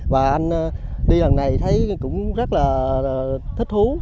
và anh đi lần này thấy cũng rất là thích thú